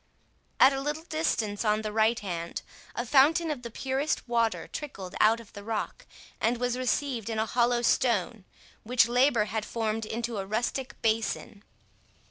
At a little distance on the right hand, a fountain of the purest water trickled out of the rock, and was received in a hollow stone, which labour had formed into a rustic basin.